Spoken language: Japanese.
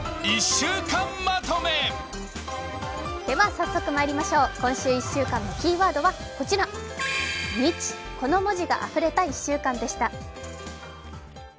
早速まいりましょう今週１週間のキーワードは「日」この文字があふれた１週間でした。